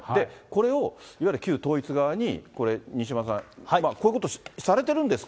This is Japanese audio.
これをいわゆる旧統一側に西山さん、こういうことされてるんです